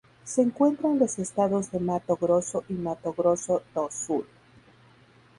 Se encuentra en los estados de Mato Grosso y Mato Grosso do Sul.